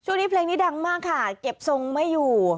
เพลงนี้ดังมากค่ะเก็บทรงไม่อยู่